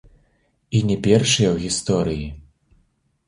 І не першыя ў гісторыі.